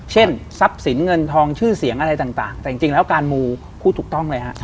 ทรัพย์สินเงินทองชื่อเสียงอะไรต่างแต่จริงแล้วการมูพูดถูกต้องเลยฮะ